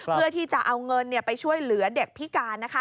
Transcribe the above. เพื่อที่จะเอาเงินไปช่วยเหลือเด็กพิการ